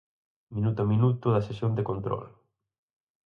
Minuto a minuto da sesión de control.